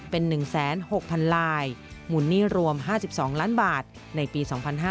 เป็น๑๖๐๐๐ลายมูลหนี้รวม๕๒ล้านบาทในปี๒๕๕๙